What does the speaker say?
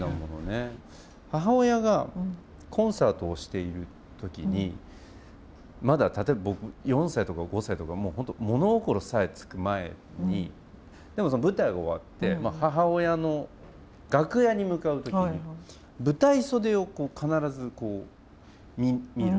母親がコンサートをしている時にまだ例えば僕４歳とか５歳とか本当物心さえつく前にその舞台が終わって母親の楽屋に向かう時に舞台袖を必ずこう見るんですよ。